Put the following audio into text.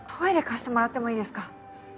貸してもらってもいいですか？